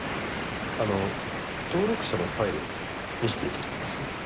あの登録者のファイル見せて頂けます？